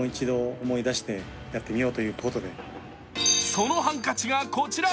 そのハンカチがこちら。